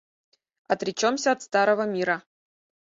Отречёмся от старого мира.